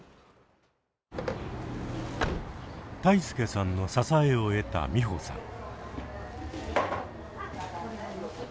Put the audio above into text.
泰亮さんの支えを得た美穂さん。